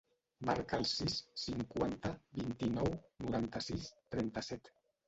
Marca el sis, cinquanta, vint-i-nou, noranta-sis, trenta-set.